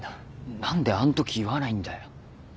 何であんとき言わないんだよ。